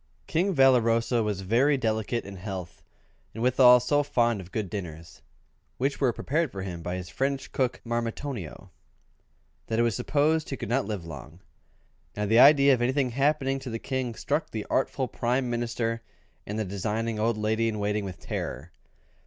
King Valoroso was very delicate in health, and withal so fond of good dinners (which were prepared for him by his French cook, Marmitonio), that it was supposed he could not live long. Now the idea of anything happening to the King struck the artful Prime Minister and the designing old lady in waiting with terror.